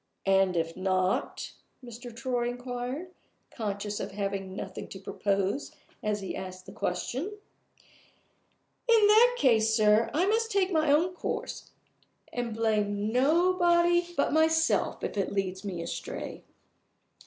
"And if not?" Mr. Troy inquired, conscious of having nothing to propose as he asked the question. "In that case, sir, I must take my own course, and blame nobody but myself if it leads me astray." Mr.